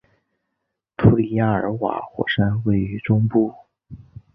图里亚尔瓦火山位于中部。